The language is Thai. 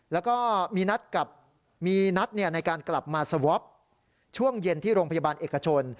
แล้วก็มีนัดในการกลับมาสวอปช่วงเย็นที่โรงพยาบาลเอกชน